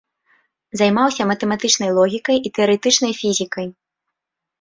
Займаўся матэматычнай логікай і тэарэтычнай фізікай.